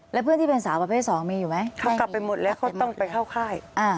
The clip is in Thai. แล้วเพื่อนที่เป็นสาวประเภทสองมีอยู่ไหมเขากลับไปหมดแล้วเขาต้องไปเข้าค่าย